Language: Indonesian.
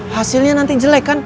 hasilnya nanti jelek kan